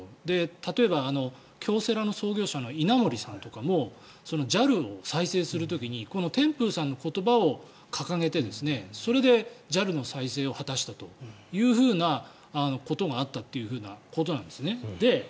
例えば京セラの創業者の稲盛さんとかもＪＡＬを再生する時に天風さんの言葉を掲げてそれでＪＡＬの再生を果たしたということがあったということなんですね。